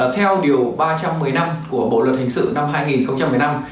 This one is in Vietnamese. theo điều ba trăm một mươi năm của bộ luật hình sự năm hai nghìn một mươi năm